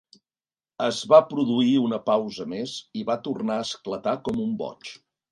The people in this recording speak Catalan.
Es va produir una pausa més i va tornar a esclatar com un boig.